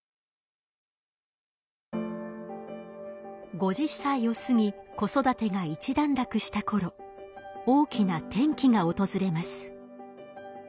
５０歳を過ぎ子育てが一段落した頃大きな転機が訪れます。